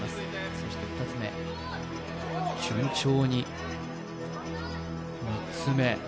そして２つ目、順調に３つ目。